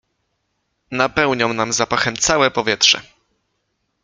— Napełnią nam zapachem całe powietrze!